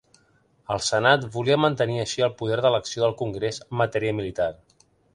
El Senat volia mantenir així el poder d'elecció del Congrés en matèria militar.